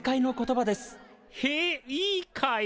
へえいいかい。